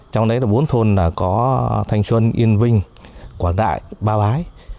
trong đấy là bốn thôn có thanh xuân yên vinh quảng đại ba bái